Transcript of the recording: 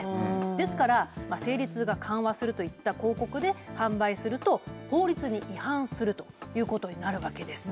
ですから生理痛が緩和するといった公告で販売すると法律に違反するということになるわけです。